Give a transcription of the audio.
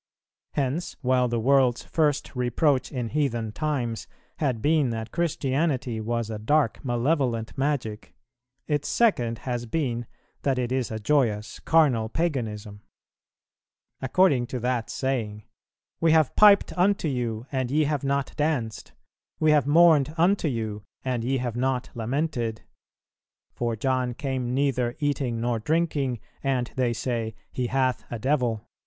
Hence, while the world's first reproach in heathen times had been that Christianity was a dark malevolent magic, its second has been that it is a joyous carnal paganism; according to that saying, "We have piped unto you, and ye have not danced; we have mourned unto you, and ye have not lamented. For John came neither eating nor drinking, and they say, He hath a devil.